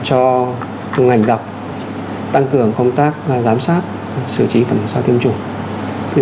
cho ngành đọc tăng cường công tác giám sát sử trí phần hướng sau tiêm chủng